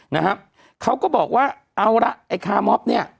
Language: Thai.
นะครับเขาก็บอกว่าเอาละไอ้คามอบเนี่ย